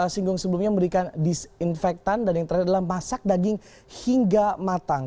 singgung sebelumnya memberikan disinfektan dan yang terakhir adalah masak daging hingga matang